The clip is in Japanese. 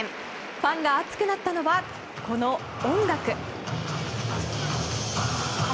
ファンが熱くなったのはこの音楽。